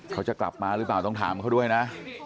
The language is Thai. เขาจะกลับมาหรือเปล่าต้องถามเขาด้วยนะ